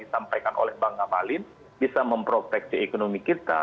disampaikan oleh bang ngabalin bisa memproteksi ekonomi kita